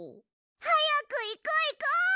はやくいこういこう！